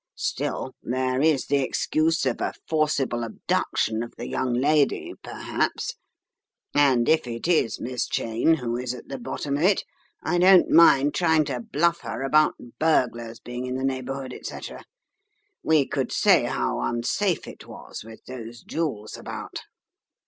Still, there is the excuse of a forcible abduction of the young lady perhaps, and if it is Miss Cheyne who is at the bottom of it, I don't mind trying to bluff her about burglars being in the neighbourhood, etc. We could say how unsafe it was with those jewels about."